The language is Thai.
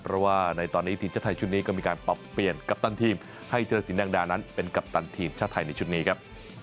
เพราะว่าในตอนนี้ทีมชาติไทยชุดนี้ก็มีการปรับเปลี่ยนกัปตันทีมให้ธิรสินแดงดานั้นเป็นกัปตันทีมชาติไทยในชุดนี้ครับ